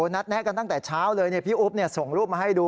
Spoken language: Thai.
แนะกันตั้งแต่เช้าเลยพี่อุ๊บส่งรูปมาให้ดู